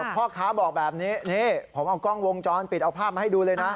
พ่อค้าบอกแบบนี้นี่ผมเอากล้องวงจรปิดเอาภาพมาให้ดูเลยนะ